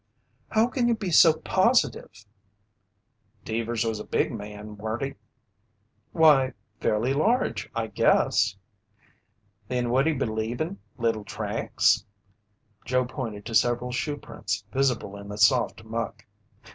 "How can you be so positive?" "Deevers was a big man, weren't he?" "Why, fairly large, I guess." "Then would he be leavin' little tracks?" Joe pointed to several shoeprints visible in the soft muck.